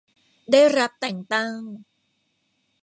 ได้รับแต่งตั้ง